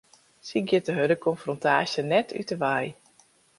Sy giet de hurde konfrontaasje net út 'e wei.